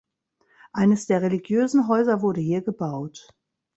Eines der religiösen Häuser wurde hier gebaut.